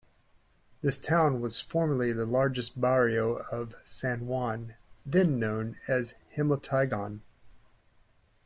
This town was formerly the largest barrio of San Juan, then known as "Himatagon".